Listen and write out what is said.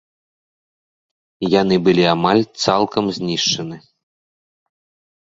Яны былі амаль цалкам знішчаны.